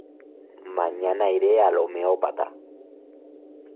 Mañana iré al homeópata.